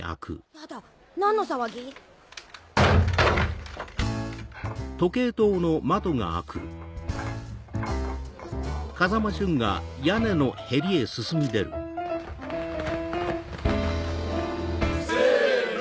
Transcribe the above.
やだ何の騒ぎ？せの！